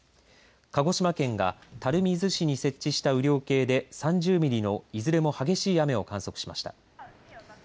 鹿児島県が垂水市に設置した雨量計で３０ミリのいずれも激しい雨を観測しました。